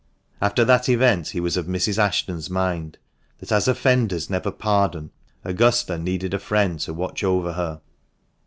After that event he was of Mrs. Ashton's mind that "as offenders never pardon," Augusta needed a friend to watch over her.